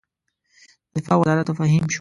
د دفاع وزارت د فهیم شو.